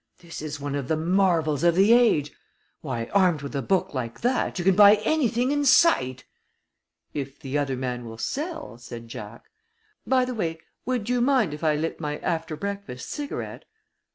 "This is one of the marvels of the age. Why, armed with a book like that you can buy anything in sight!" "If the other man will sell," said Jack. "By the way, would you mind if I lit my after breakfast cigarette?"